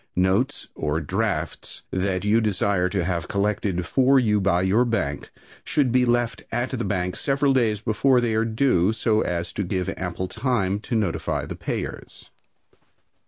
Notes or drafts that you desire to have collected for you by your bank should be left at the bank several days before they are due, so as to give ample time to notify the payers.